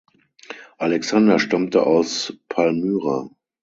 Alexander stammte aus Palmyra.